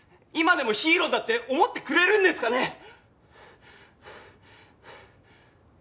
今でもヒーローだって思ってくれるんですかね？